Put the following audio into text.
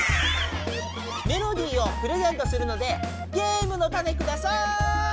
メロディーをプレゼントするのでゲームのタネください！